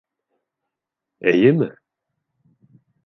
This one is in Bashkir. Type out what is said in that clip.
Эйеме?